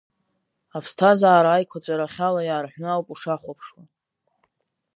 Аԥсҭазаара аиқәаҵәарахьала иаарҳәны ауп ушахәаԥшуа.